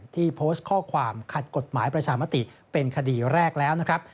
ที่โพสต์ข้อความขัดกฎหมายประชามติเป็นคดีแรกแล้วนะครับ